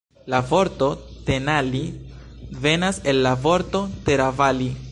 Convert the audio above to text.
La vorto Tenali venas el la vorto Teravali.